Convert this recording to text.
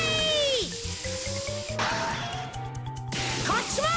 こっちも！